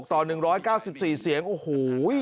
ต่อ๑๙๔เสียงโอ้โห